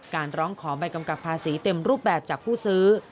ร้องขอใบกำกับภาษีเต็มรูปแบบจากผู้ซื้อ